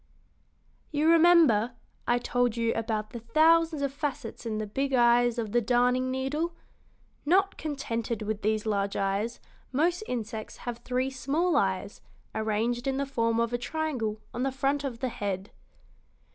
"You remember, I told you about the thousands of facets in the big eyes of the darning needle? Not contented with these large eyes, most insects have three small eyes arranged in the form of a triangle on the front of the head."